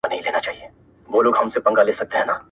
• ګرم مي و نه بولی چي شپه ستایمه ,